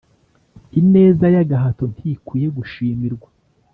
ineza y'agahato ntikwiye gushimirwa.